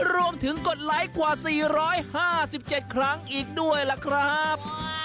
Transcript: รวมถึงกดไลกว่า๔๕๗ครั้งอีกด้วยล่ะครับ